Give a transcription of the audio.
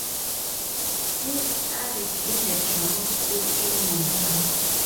He studied in The Drama School in Mumbai.